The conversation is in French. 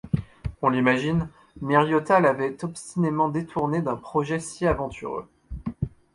On l’imagine, Miriota l’avait obstinément détourné d’un projet si aventureux.